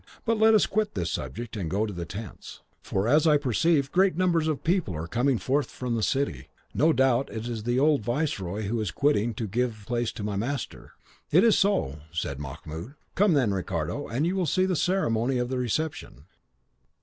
But let us quit this subject, and go to the tents, for, as I perceive, great numbers of people are coming forth from the city; no doubt it is the old viceroy who is quitting it to give place to my master." "It is so," said Mahmoud. "Come then, Ricardo, and you will see the ceremony of the reception."